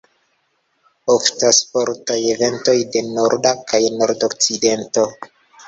Oftas fortaj ventoj de nordo kaj nord-okcidento.